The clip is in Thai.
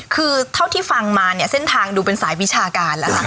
คือเท่าที่ฟังมาเนี่ยเส้นทางดูเป็นสายวิชาการแล้วค่ะ